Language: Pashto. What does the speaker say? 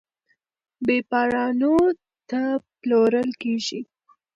بېپارانو ته پلورل کیږي.